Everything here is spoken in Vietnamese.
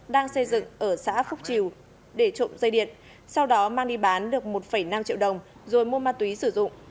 đang xây dựng ở xã phúc triều để trộm dây điện sau đó mang đi bán được một năm triệu đồng rồi mua ma túy sử dụng